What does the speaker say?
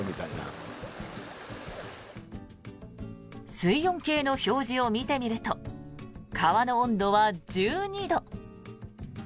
水温計の表示を見てみると川の温度は１２度。